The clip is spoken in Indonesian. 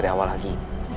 dari awal lagi